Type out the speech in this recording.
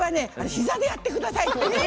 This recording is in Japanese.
膝でやってくださいって。